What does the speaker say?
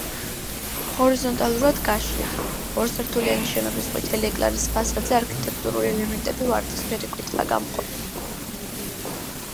ჰორიზონტალურად გაშლილი, ორსართულიანი შენობის ყვითელი ეკლარის ფასადზე არქიტექტურული ელემენტები ვარდისფერი ქვითაა გამოყოფილი.